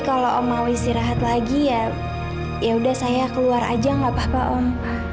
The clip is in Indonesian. kalau om mau istirahat lagi ya yaudah saya keluar aja gak apa apa om